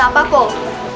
kamu kenapa kong